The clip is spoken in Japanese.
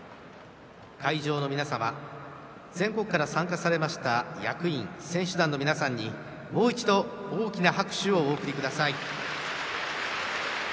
会場の皆様全国から参加されました役員・選手団の皆さんにもう一度大きな拍手をお送りください。